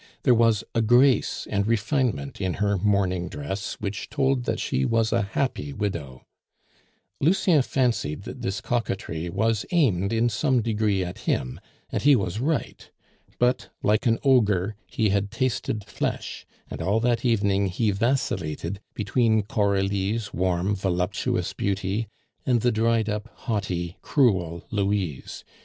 There was a grace and refinement in her mourning dress which told that she was a happy widow; Lucien fancied that this coquetry was aimed in some degree at him, and he was right; but, like an ogre, he had tasted flesh, and all that evening he vacillated between Coralie's warm, voluptuous beauty and the dried up, haughty, cruel Louise.